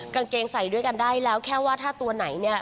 กางเกงใส่ด้วยกันได้แล้วแค่ว่าถ้าตัวไหนเนี่ย